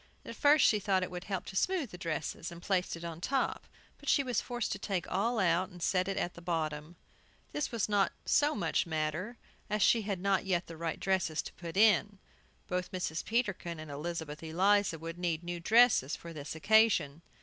At first she thought it would help to smooth the dresses, and placed it on top; but she was forced to take all out, and set it at the bottom. This was not so much matter, as she had not yet the right dresses to put in. Both Mrs. Peterkin and Elizabeth Eliza would need new dresses for this occasion.